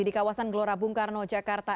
di kawasan gelora bung karno jakarta